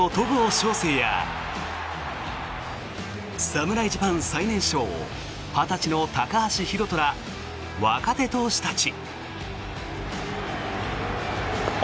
翔征や侍ジャパン最年少２０歳の高橋宏斗ら若手投手たち。